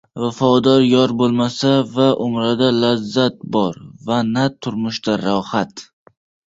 • Vafodor yor bo‘lmasa, na umrda lazzat bor va na turmushda rohat.